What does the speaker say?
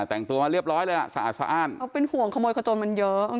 แต่งตัวมาเรียบร้อยเลยอ่ะสะอาดสะอ้านเขาเป็นห่วงขโมยขจนมันเยอะ